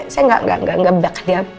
saya gak bakal dia